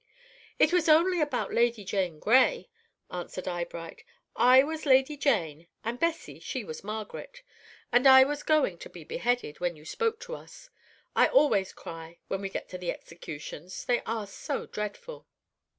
"It was only about Lady Jane Grey," answered Eyebright. "I was Lady Jane, and Bessie, she was Margaret; and I was just going to be beheaded when you spoke to us. I always cry when we get to the executions; they are so dreadful."